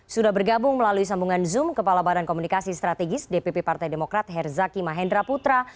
sudah bergabung melalui sambungan zoom kepala badan komunikasi strategis dpp partai demokrat herzaki mahendra putra